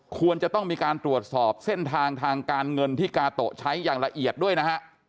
ควรจะต้องมีการตรวจสอบเส้นทางทางการเงินที่กาโตะใช้อย่างละเอียดด้วยนะฮะ